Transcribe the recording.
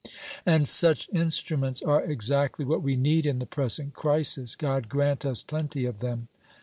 "And such instruments are exactly what we need in the present crisis. God grant us plenty of them!"